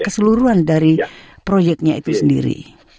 keseluruhan dari proyeknya itu sendiri